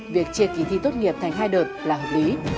việc chia kỳ thi tốt nghiệp thành hai đợt là hợp lý